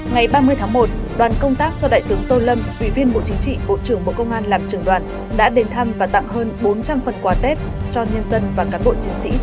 ngày ba mươi tháng một đoàn công tác do đại tướng tô lâm ủy viên bộ chính trị bộ trưởng bộ công an làm trường đoàn đã đến thăm và tặng hơn bốn trăm linh phần quà tết cho nhân dân và cán bộ chiến sĩ